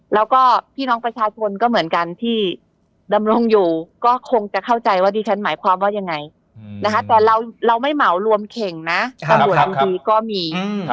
แล้วก็พี่น้องประชาชนก็เหมือนกันที่ดำรงอยู่ก็คงจะเข้าใจว่าดิฉันหมายความว่ายังไงนะคะแต่เราไม่เหมารวมเข่งนะตำรวจทำดีก็มี